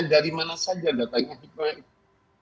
dari mana saja datanya hikmah itu